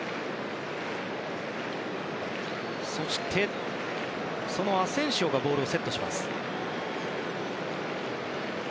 そして、そのアセンシオがボールをセットしました。